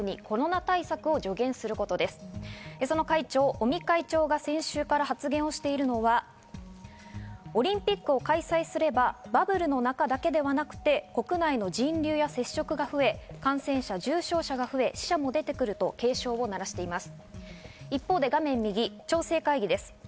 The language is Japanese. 尾身会長が先週から発言しているのが、オリンピックを開催すれば、バブルの中だけではなくて、国内の人流や接触が増え、感染者・重症者が増え、死者が出ると警鐘を鳴らしています。